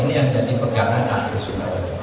ini yang jadi pegangan akhir sunnah waktu itu